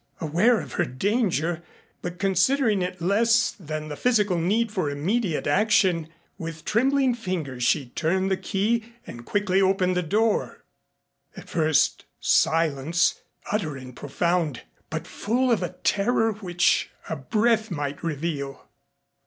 Aware of her danger, but considering it less than the physical need for immediate action, with trembling fingers she turned the key and quickly opened the door. At first, silence, utter and profound, but full of a terror which a breath might reveal.